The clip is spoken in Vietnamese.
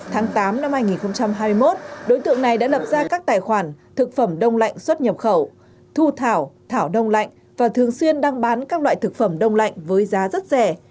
tháng tám năm hai nghìn hai mươi một đối tượng này đã lập ra các tài khoản thực phẩm đông lạnh xuất nhập khẩu thu thảo thảo đông lạnh và thường xuyên đang bán các loại thực phẩm đông lạnh với giá rất rẻ